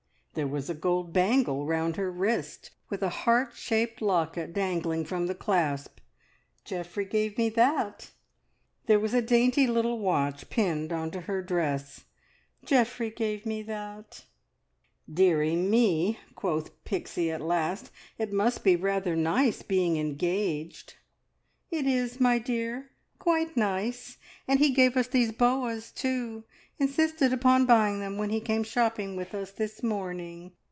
There was a gold bangle round her wrist, with a heart shaped locket dangling from the clasp. "Geoffrey gave me that!" There was a dainty little watch pinned on to her dress. "Geoffrey gave me that!" "Deary me," quoth Pixie at last, "it must be rather nice being engaged." "It is, my dear. Quite nice! And he gave us these boas too, insisted upon buying them when he came shopping with us this morning.